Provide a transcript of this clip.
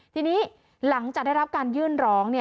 ทีนี้หลังจากได้รับการยื่นร้อง